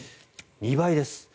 ２倍です。